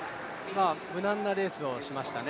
無難なレースをしましたね。